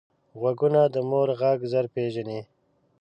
غوږونه د مور غږ ژر پېژني